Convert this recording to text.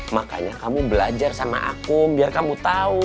makanya kamu belajar sama aku biar kamu tahu